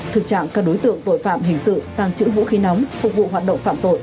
thực trạng các đối tượng tội phạm hình sự tàng trữ vũ khí nóng phục vụ hoạt động phạm tội